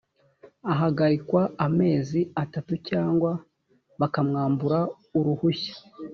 ahagarikwa amezi atatu cyangwa bakamwambura uruhushya